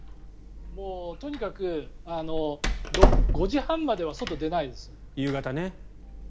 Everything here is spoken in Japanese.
もうとにかく５時半までは外出ないですもん。